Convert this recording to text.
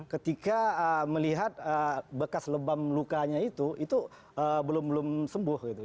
ketika melihat bekas lebam lukanya itu itu belum belum sembuh gitu